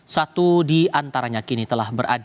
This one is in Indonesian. satu di antaranya kini telah berada